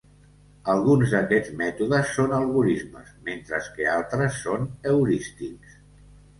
Alguns d'aquests mètodes són algorismes, mentre que altres són heurístics.